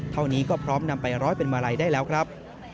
เท่านี้ก็พร้อมนำไปร้อยเป็นมาลัยได้แล้วครับ